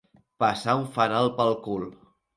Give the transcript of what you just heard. Passar un fanal pel cul.